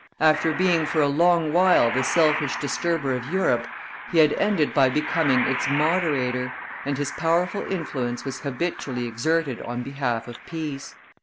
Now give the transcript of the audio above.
After being for a long while the selfish disturber of Europe, he had ended by becoming its moderator, and his powerful influence was habitually exerted on behalf of peace.